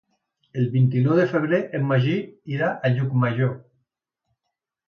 El vint-i-nou de febrer en Magí irà a Llucmajor.